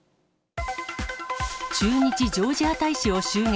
駐日ジョージア大使を襲撃。